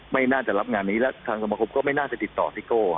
ไม่น่าจะรับงานนี้และทางสมคมก็ไม่น่าจะติดต่อซิโก้